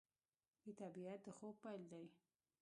د طبیعت د خوب پیل دی